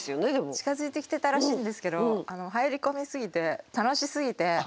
近づいてきてたらしいんですけど入り込みすぎて楽しすぎて。